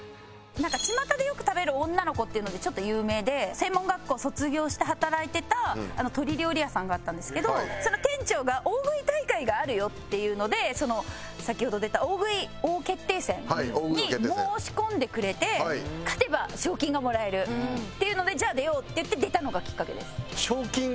専門学校卒業して働いてた鶏料理屋さんがあったんですけどその店長が大食い大会があるよっていうので先ほど出た『大食い王決定戦』に申し込んでくれて勝てば賞金がもらえるっていうので「じゃあ出よう」って言って出たのがきっかけです。